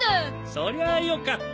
そりゃよかった。